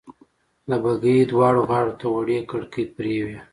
د بګۍ دواړو غاړو ته وړې کړکۍ پرې وې.